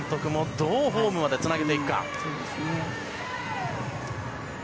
どうホームまでつなげていくか。